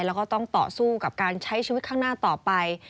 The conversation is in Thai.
แล้วก็ต้องต่อสู้กับการใช้ชีวิตข้างหน้าต่อไป